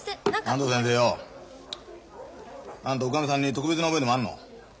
安藤先生よおあんたおかみさんに特別な思いでもあんの？